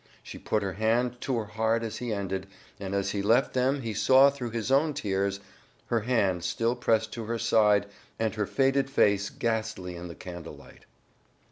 She put her hand to her heart as he ended, and as he left them he saw through his own tears her hand still pressed to her side and her faded face ghastly in the candlelight.